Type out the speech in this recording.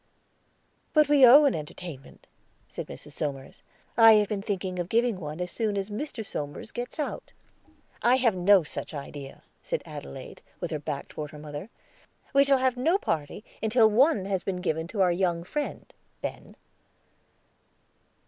"But we owe an entertainment," said Mrs. Somers. "I have been thinking of giving one as soon as Mr. Somers gets out." "I have no such idea," said Adelaide, with her back toward her mother. "We shall have no party until some one has been given to our young friend, Ben."